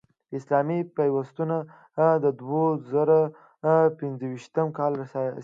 اسلامي پیوستون د دوه زره پنځویشتم کال سیالۍ